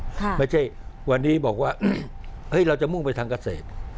ไม่ใช่วันนี้บอกว่าเฮ้ยเราจะมุ่งไปทางเกษตร